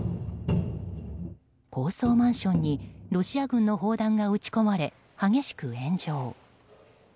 高層マンションにロシア軍の砲弾が撃ち込まれ激しく炎上。